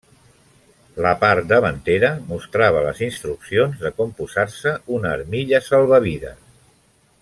La part davantera mostrava les instruccions de com posar-se una armilla salvavides.